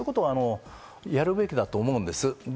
やるべきだと思うんです。